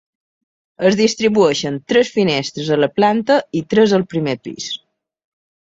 Es distribueixen tres finestres a la planta i tres al primer pis.